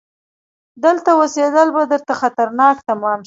دلته اوسيدل به درته خطرناک تمام شي!